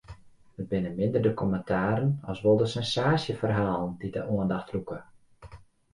It binne minder de kommentaren as wol de sensaasjeferhalen dy't de oandacht lûke.